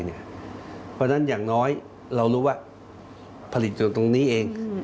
เพราะฉะนั้นอย่างน้อยเรารู้ว่าผลิตส่วนตรงนี้เอง